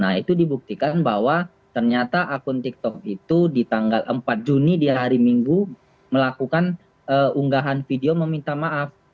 nah itu dibuktikan bahwa ternyata akun tiktok itu di tanggal empat juni di hari minggu melakukan unggahan video meminta maaf